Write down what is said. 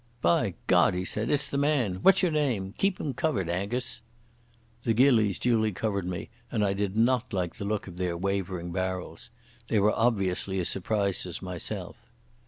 "By God," he said, "it's the man. What's your name? Keep him covered, Angus." The gillies duly covered me, and I did not like the look of their wavering barrels. They were obviously as surprised as myself.